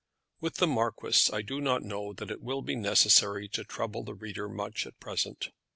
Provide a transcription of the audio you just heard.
With the marquis I do not know that it will be necessary to trouble the reader much at present.